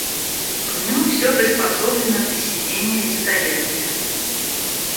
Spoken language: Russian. В нем всё приспособлено для сидения и стояния.